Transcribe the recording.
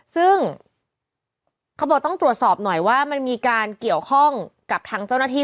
ซึ่งเขาบอกต้องตรวจสอบหน่อยว่ามันมีการเกี่ยวข้องกับทางเจ้าหน้าที่